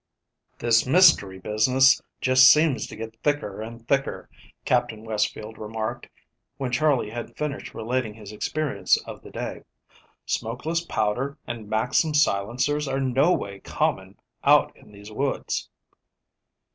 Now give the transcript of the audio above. "THIS mystery business just seems to get thicker and thicker," Captain Westfield remarked, when Charley had finished relating his experience of the day. "Smokeless powder and Maxim silencers are no ways common out in these woods."